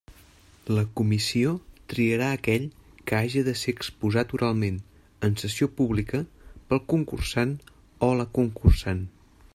La comissió triarà aquell que haja de ser exposat oralment, en sessió pública, pel concursant o la concursant.